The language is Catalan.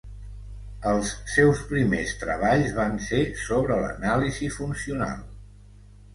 Els seus primers treballs van ser sobre l'anàlisi funcional.